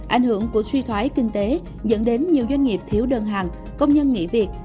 ảnh hưởng của suy thoái kinh tế dẫn đến nhiều doanh nghiệp thiếu đơn hàng công nhân nghỉ việc